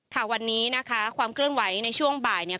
ค่ะวันนี้นะคะความเคลื่อนไหวในช่วงบ่ายเนี่ย